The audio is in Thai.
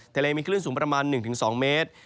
ทะเลมีคลื่นสูง๑๒เมตร